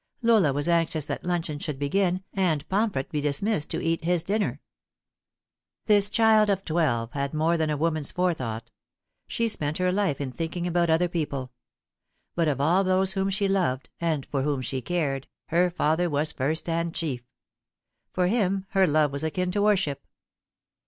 Lola was anxious that luncheon should begin, and Pomfret be dismissed to eat his dinner. This child of twelve had more than a woman's forethought. She spent her life in thinking about other people ; but of all those whom she loved, and for whom she cared, her father waa first and chief. For him her love was akin to worship.